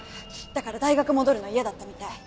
だから大学戻るの嫌だったみたい。